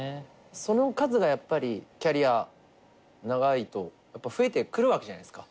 その数がやっぱりキャリア長いとやっぱ増えてくるわけじゃないですか。